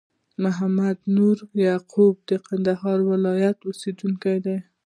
محمد نور یعقوبی د کندهار ولایت اوسېدونکی دي